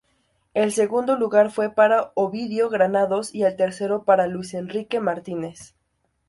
El segundo lugar fue para Ovidio Granados y el tercero para Luis Enrique Martínez.